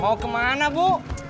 mau kemana bu